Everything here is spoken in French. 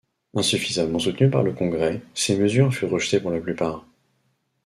Insuffisamment soutenu par le Congrès, ces mesures furent rejetées pour la plupart.